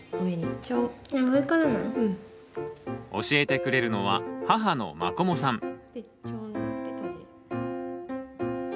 教えてくれるのは母のマコモさん。